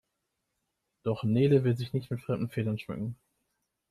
Doch Nele will sich nicht mit fremden Federn schmücken.